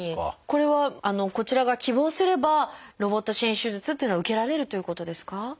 これはこちらが希望すればロボット支援手術っていうのは受けられるということですか？